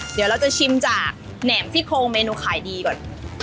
เดี๋ยวเราจะชิมจากแหนมซี่โครงเมนูขายดีก่อน